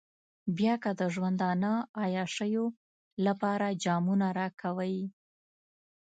بيا که د ژوندانه عياشيو لپاره جامونه راکوئ.